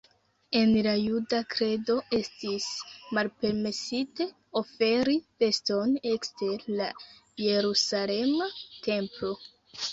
En la juda kredo estis malpermesite oferi beston ekster la Jerusalema templo.